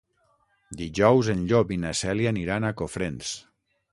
Dijous en Llop i na Cèlia aniran a Cofrents.